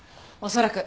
恐らく。